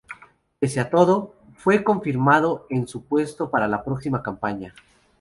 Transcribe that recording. Pese a todo, fue confirmado en su puesto para la próxima campaña.